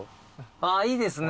ああいいですね。